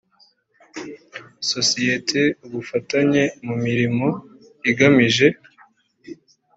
sosiyete ubufatanye mu mirimo igamije